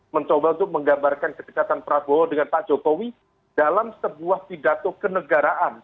mencoba untuk menggambarkan kedekatan prabowo dengan pak jokowi dalam sebuah pidato kenegaraan